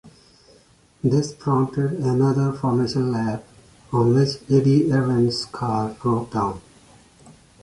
This prompted another formation lap, on which Eddie Irvine's car broke down.